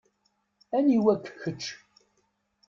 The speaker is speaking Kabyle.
Aniwa-k kečč?